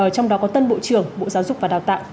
trong đó có tân bộ trưởng bộ giáo dục và đào tạo